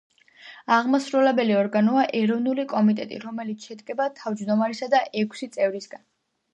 აღმასრულებელი ორგანოა ეროვნული კომიტეტი, რომელიც შედგება თავმჯდომარისა და ექვსი წევრისგან.